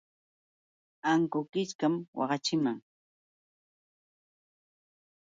Ankukichkam waqaachiman.